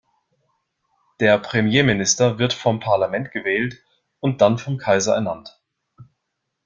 Der Premierminister wird vom Parlament gewählt und dann vom Kaiser ernannt.